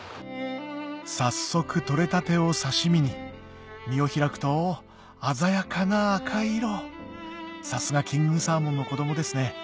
早速取れたてを刺し身に身を開くと鮮やかな赤い色さすがキングサーモンの子供ですね